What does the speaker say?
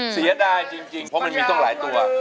เสียดายจริงเพราะมันมีต้องหลายตัว